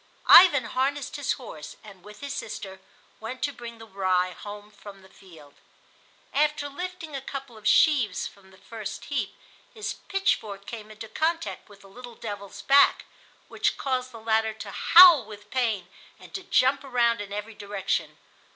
Ivan harnessed his horse, and, with his sister, went to bring the rye home from the field. After lifting a couple of sheaves from the first heap his pitchfork came into contact with the little devil's back, which caused the latter to howl with pain and to jump around in every direction.